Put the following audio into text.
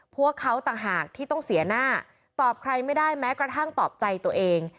พวกเขาต่างหากที่ต้องเสียหน้าตอบใครไม่ได้แม้กระทั่งตอบใจตัวเอง